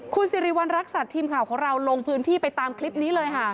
คุณสิริวัณรักษัตริย์ทีมข่าวของเราลงพื้นที่ไปตามคลิปนี้เลยค่ะ